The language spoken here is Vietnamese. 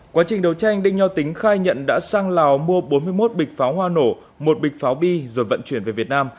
quá trình đấu tranh đinh nho tính khai nhận đã sang lào mua bốn mươi một bịch pháo hoa nổ một bịch pháo bi rồi vận chuyển về việt nam